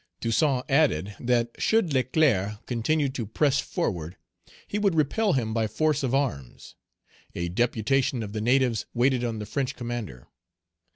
Toussaint added, that should Leclerc continue to press forward, he would repel him by force of arms. A deputation of the natives waited on the French commander.